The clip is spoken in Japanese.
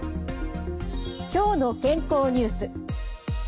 「きょうの健康」ニュース。